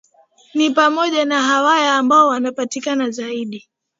ni pamoja na Wahaya ambao wanapatikana zaidi